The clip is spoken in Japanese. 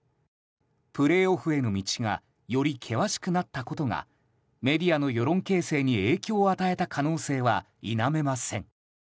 プレーオフへの道がより険しくなったことがメディアの世論形成に影響を与えた可能性は否めません。